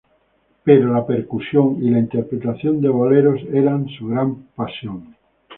Pero la percusión y la interpretación de boleros eran su gran pasión.